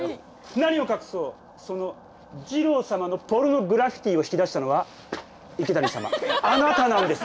何を隠そうそのじろう様の「ポルノグラフィティ」を引き出したのは池谷様あなたなんです！